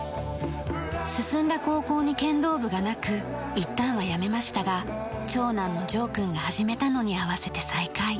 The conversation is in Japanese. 進んだ高校に剣道部がなくいったんはやめましたが長男の青くんが始めたのに合わせて再開。